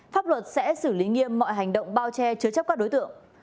pháp luật sẽ xử lý nghiêm mọi hành động bao che chứa chấp các đối tượng